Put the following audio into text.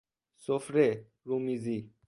سفره، رومیزی